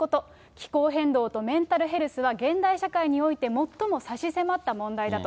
気候変動とメンタルヘルスは、現代社会において最も差し迫った問題だと。